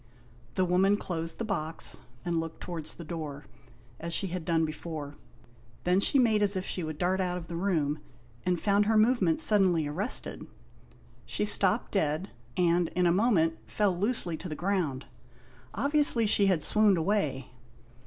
The woman closed the box and looked towards the door, as she had done before ; then she made as if she would dart out of the room, and found her movement suddenly arrested. She stopped 184 THE INDIAN LAMP SHADE. dead, and, in a moment, fell loosely to the ground. Obviously she had swooned away.